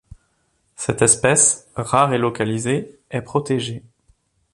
Cette espèce, rare et localisée est protégée.